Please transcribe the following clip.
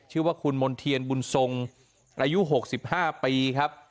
ชื่อว่าคุณมณ์เทียมบุญทรงอายุหกสิบห้าปีครับ